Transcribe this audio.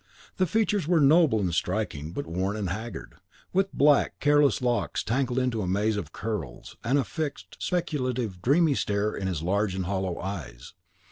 The features were noble and striking, but worn and haggard, with black, careless locks tangled into a maze of curls, and a fixed, speculative, dreamy stare in his large and hollow eyes.